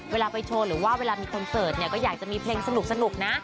เวลาไปโชว์หรือว่าเวลามีคอนเสิร์ตเนี่ยก็อยากจะมีเพลงสนุกนะ